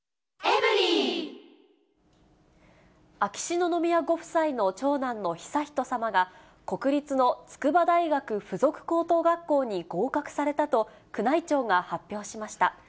秋篠宮ご夫妻の長男の悠仁さまが、国立の筑波大学附属高等学校に合格されたと、宮内庁が発表しました。